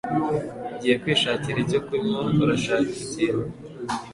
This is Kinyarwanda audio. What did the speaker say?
Ngiye kwishakira icyo kunywa. Urashaka ikintu?